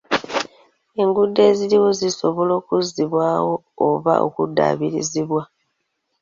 Enguudo eziriwo zisobola okuzzibwawo oba okuddaabirizibwa.